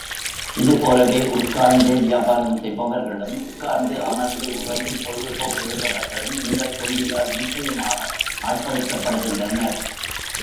இதுபோலவே உட்கார் ந்தே வியாபாரம் செய்பவர்களும், உட்கார்ந்து, அமர்ந்து உறங்கிப் பொழுது போக்குகின்றவர்களும் இந்தத் தொந்தியால் நிச்சயமாக ஆட்படுத்தப்படுகின்றனர்.